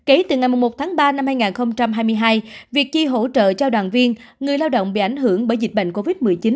kể từ ngày một tháng ba năm hai nghìn hai mươi hai việc chi hỗ trợ cho đoàn viên người lao động bị ảnh hưởng bởi dịch bệnh covid một mươi chín